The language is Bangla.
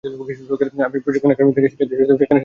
আমি প্রশিক্ষণ একাডেমিতে শিক্ষা দিতে সেখানে স্বেচ্ছায় কাজ করব।